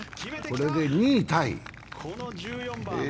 これで２位タイ。